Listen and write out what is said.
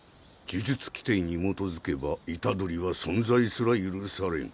呪術規定に基づけば虎杖は存在すら許されん。